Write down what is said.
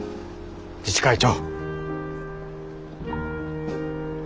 自治会長。